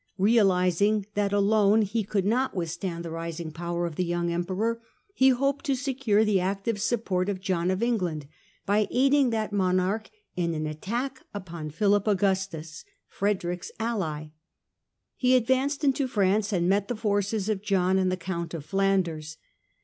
Realising that alone he could not withstand the rising power of the young Emperor, he hoped to secure the active support of John of England by aiding that monarch in an attack upon Philip Augustus, Frederick's ally. He advanced into France and met the forces of John and the Count of Flanders.